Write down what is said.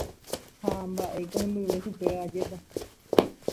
Ha mba'éiko hembyve chupe, ajépa.